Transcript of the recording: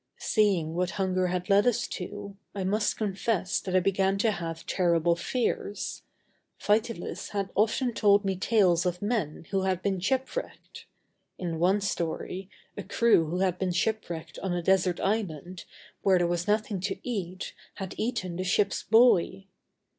Seeing what hunger had led us to, I must confess that I began to have terrible fears. Vitalis had often told me tales of men who had been shipwrecked. In one story, a crew who had been shipwrecked on a desert island where there was nothing to eat, had eaten the ship's boy.